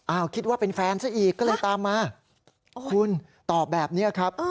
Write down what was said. คิดว่าเป็นแฟนซะอีกก็เลยตามมาคุณตอบแบบนี้ครับ